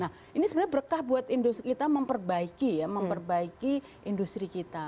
nah ini sebenarnya berkah buat industri kita memperbaiki ya memperbaiki industri kita